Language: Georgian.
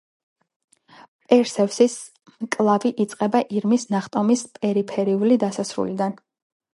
პერსევსის მკლავი იწყება ირმის ნახტომის პერიფერიული დასასრულიდან.